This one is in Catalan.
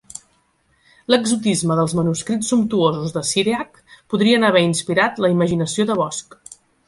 L'exotisme dels manuscrits sumptuosos de Cyriac podrien haver inspirat la imaginació de Bosch.